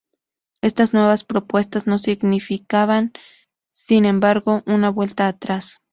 Estas nuevas propuestas no significaban, sin embargo, una "vuelta atrás".